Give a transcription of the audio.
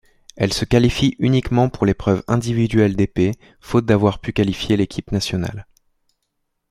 Elle se qualifie uniquement pour l'épreuve individuelle d'épée, faute d'avoir pu qualifier l'équipe nationale.